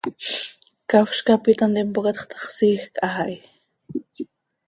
Ccafz cap it hant impoocatx ta x, siijc haa hi.